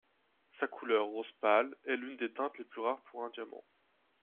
Sa couleur, rose pâle, est l'une des teintes les plus rares pour un diamant.